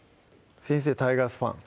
先生タイガースファン？